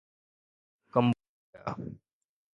Cambodia